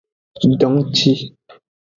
Dongci.